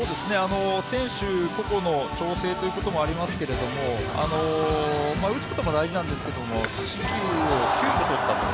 選手、個々の調整ということもありますけれども打つことも大事なんですけど四球を９個取ったと。